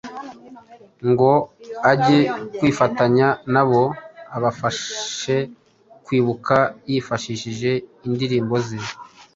ngo ajye kwifatanya na bo abafashe kwibuka yifashishije indirimbo ze,